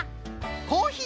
コーヒー